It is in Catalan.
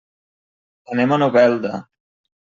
Anem a Novelda.